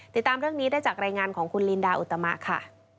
ติดตามเรื่องนี้ได้จากรายงานของคุณลินดาอุตมะค่ะ